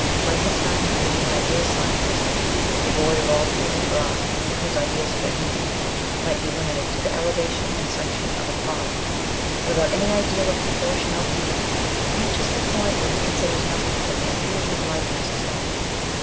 Frankenstein being the ideal scientist, devoid of all feeling for art (whose ideas of it, indeed, might be limited to the elevation and section of a pot), without any ideal of proportion or beauty, reaches the point where he considers nothing but the infusion of life necessary.